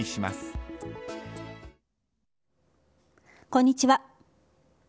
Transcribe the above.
こんにちは。